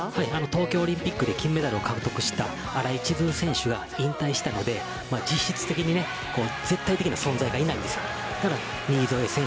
東京オリンピックで金メダルを獲得した新井千鶴選手が引退したので実質的に絶対的な存在がいません。